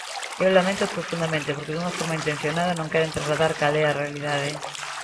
Eu laméntoo profundamente porque dunha forma intencionada non queren trasladar cal é a realidade.